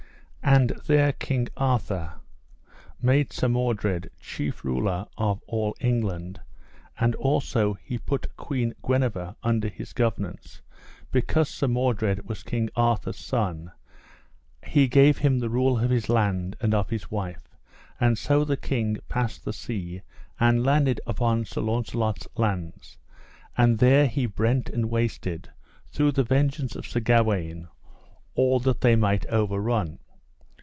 And there King Arthur made Sir Mordred chief ruler of all England, and also he put Queen Guenever under his governance; because Sir Mordred was King Arthur's son, he gave him the rule of his land and of his wife; and so the king passed the sea and landed upon Sir Launcelot's lands, and there he brent and wasted, through the vengeance of Sir Gawaine, all that they might overrun.